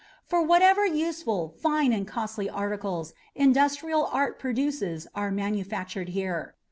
for whatever useful, fine, and costly articles industrial art produces are manufactured here.